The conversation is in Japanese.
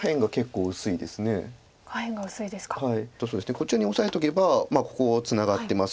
こちらにオサえとけばここツナがってます